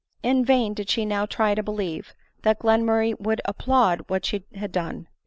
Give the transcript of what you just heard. In vain did she now try to believe that Glenmurray would applaud what she had done.